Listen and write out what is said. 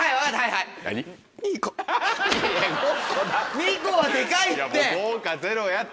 ２個はデカいって。